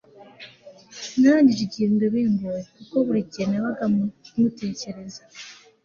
Narangije igihembwe bingoye kuko burigihe nabaga mutekereza